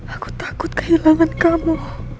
aku takut kehilangan kamu